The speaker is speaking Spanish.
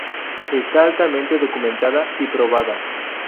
Está altamente documentada y probada.